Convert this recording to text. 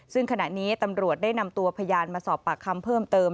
ซึ่งขณะนี้ตำรวจได้นำตัวพยานมาสอบปากคำเพิ่มเติม